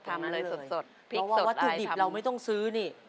เพราะว่าติดดิบเราไม่ต้องซื้อนี่